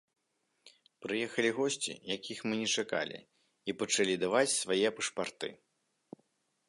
Прыехалі госці, якіх мы не чакалі, і пачалі даваць свае пашпарты.